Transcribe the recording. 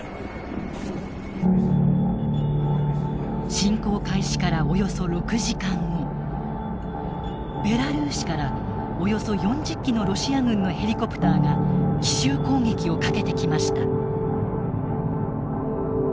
侵攻開始からおよそ６時間後ベラルーシからおよそ４０機のロシア軍のヘリコプターが奇襲攻撃をかけてきました。